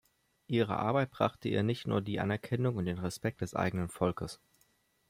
Ihre Arbeit brachte ihr nicht nur die Anerkennung und den Respekt des eigenen Volkes.